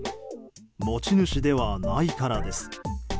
持ち主ではないからです。